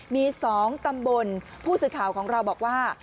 มี๒ตำบลผู้สื่อข่าวของเราบอกว่า